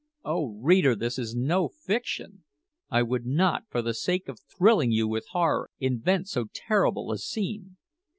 Oh reader, this is no fiction! I would not, for the sake of thrilling you with horror, invent so terrible a scene.